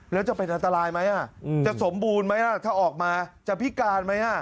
แล้วจะเป็นอันตรายไหมจะสมบูรณ์ไหมล่ะถ้าออกมาจะพิการไหม